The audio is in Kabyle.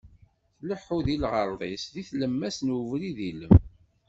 Tleḥḥu di lɣerḍ-is deg tlemmast n ubrid ilem.